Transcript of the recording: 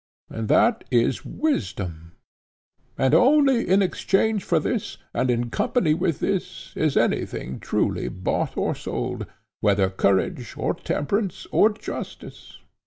—and that is wisdom; and only in exchange for this, and in company with this, is anything truly bought or sold, whether courage or temperance or justice.